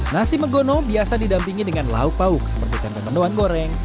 nasi megono biasa didampingi dengan lauk pauk seperti tempe mendoan goreng